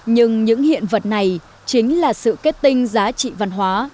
nhưng những hiện vật này chính là sự kết tinh giá trị văn hóa